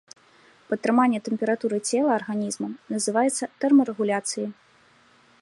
Падтрыманне тэмпературы цела арганізмам называецца тэрмарэгуляцыяй.